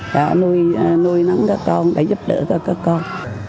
đã nuôi nắng các con đã giúp đỡ các con